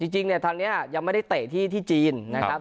จริงเนี่ยทางนี้ยังไม่ได้เตะที่จีนนะครับ